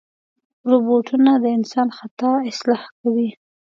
روبوټونه د انسان خطا اصلاح کوي.